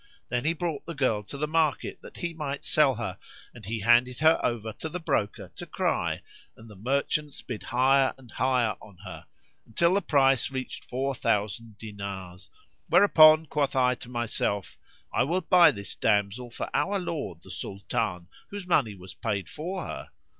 Then he brought the girl to the market that he might sell her, and he handed her over to the broker to cry and the merchants bid higher and higher on her, until the price reached four thousand dinars; whereupon quoth I to myself, 'I will buy this damsel for our lord the Sultan, whose money was paid for her.'